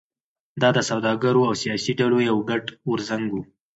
دا د سوداګرو او سیاسي ډلو یو ګډ غورځنګ و.